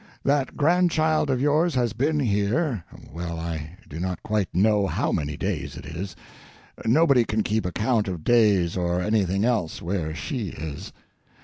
... That grandchild of yours has been here—well, I do not quite know how many days it is; nobody can keep account of days or anything else where she is!